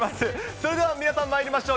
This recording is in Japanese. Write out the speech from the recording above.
それでは皆さんまいりましょう。